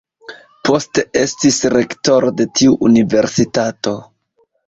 Poste estis rektoro de tiu universitato.